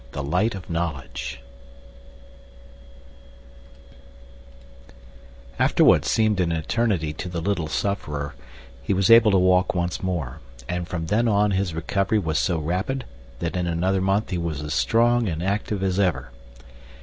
The Light of Knowledge After what seemed an eternity to the little sufferer he was able to walk once more, and from then on his recovery was so rapid that in another month he was as strong and active as ever.